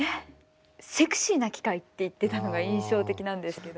セクシーな機械って言ってたのが印象的なんですけど。